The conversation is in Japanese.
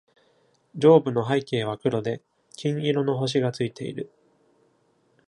上部の背景は黒で、金色の星が付いている。